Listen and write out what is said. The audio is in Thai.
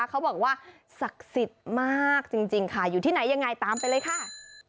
เขาบอกว่าศักดิ์สิทธิ์มากจริงค่ะอยู่ที่ไหนยังไงตามไปเลยค่ะ